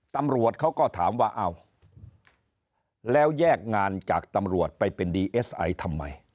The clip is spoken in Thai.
ตำรวจเขาก็ถามว่าอ้าวแล้วแยกงานจากตำรวจไปเป็นดีเอสไอทำไม